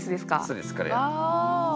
そうですこれ。